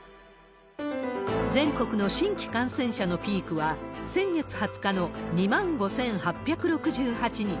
全国の新規感染者のピークは、先月２０日の２万５８６８人。